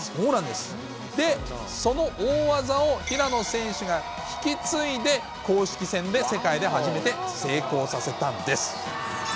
で、その大技を、平野選手が引き継いで、公式戦で世界で初めて成功させたんです。